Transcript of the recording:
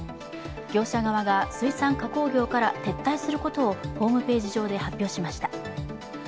業者側が水産加工業から撤退することをホームページ上で発表しました。